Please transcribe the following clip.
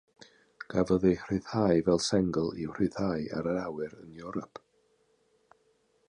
Cafodd ei rhyddhau fel sengl i'w rhyddhau ar yr awyr yn Ewrop.